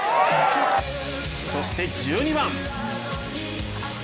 そして、１２番。